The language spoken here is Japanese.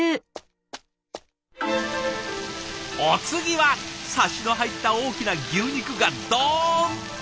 お次はサシの入った大きな牛肉がドンと！